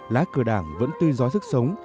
lá cửa đảng vẫn tươi giói sức sống